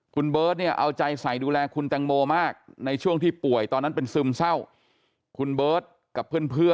คุณเบิร์ทเนี่ยเอาใจใส่ดูแล